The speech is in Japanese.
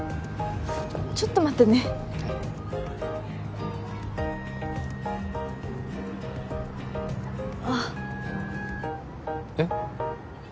ちょっと待ってねはいあえっ？